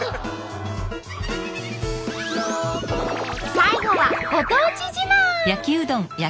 最後はご当地自慢！